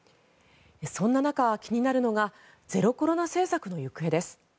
そんな中、気になるのがゼロコロナ政策の行方です。